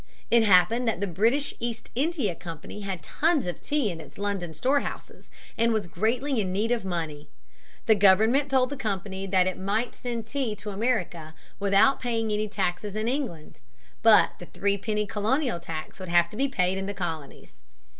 It happened that the British East India Company had tons of tea in its London storehouses and was greatly in need of money. The government told the company that it might send tea to America without paying any taxes in England, but the three penny colonial tax would have to be paid in the colonies.